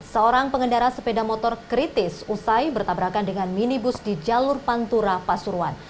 seorang pengendara sepeda motor kritis usai bertabrakan dengan minibus di jalur pantura pasuruan